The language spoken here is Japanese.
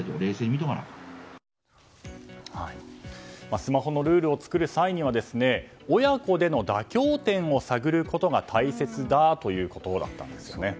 スマホのルールを作る際には親子での妥協点を探ることが大切だということです。